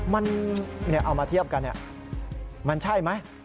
มันเอามาเทียบกันมันใช่ไหม